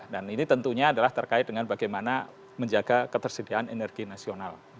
dan ini tentunya adalah terkait dengan bagaimana menjaga ketersediaan energi nasional